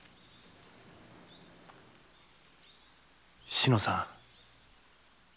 志乃さん